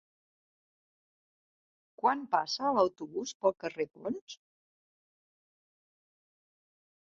Quan passa l'autobús pel carrer Ponts?